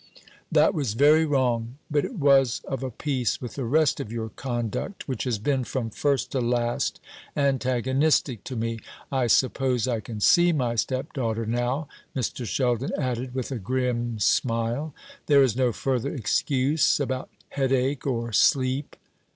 "That was very wrong; but it was of a piece with the rest of your conduct, which has been from first to last antagonistic to me. I suppose I can see my stepdaughter now," Mr. Sheldon added, with a grim smile. "There is no further excuse about headache or sleep."